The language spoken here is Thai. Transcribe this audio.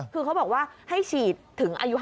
คือเขาบอกว่าให้ฉีดถึงอายุ๕๐